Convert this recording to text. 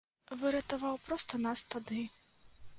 Выратаваў проста нас тады.